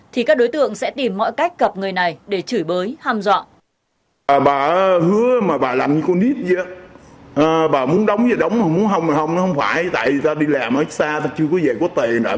thì các đối tượng sẽ tìm mọi cách gặp người này để chửi bới ham dọa